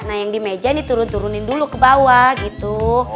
nah yang di meja diturun turunin dulu ke bawah gitu